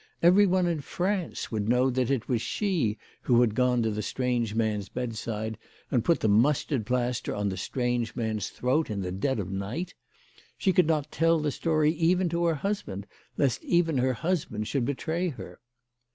Everyone in France would know that it was she who had gone to the strange man's bedside, and put the mustard plaster on the strange man's throat in the dead of night ! She could not tell the story even to her husband, lest even her husband should betray her.